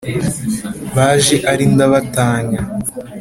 baje ari ndabatanya